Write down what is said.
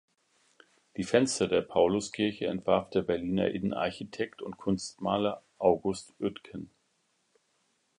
Die Fenster der Pauluskirche entwarf der Berliner Innenarchitekt und Kunstmaler August Oetken.